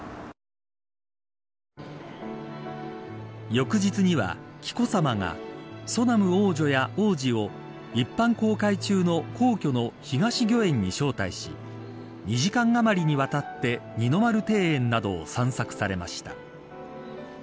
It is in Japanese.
翌日には紀子さまがソナム王女や王子を一般公開中の皇居の東御苑に招待し２時間あまりにわたって二の丸庭園などを散策されました。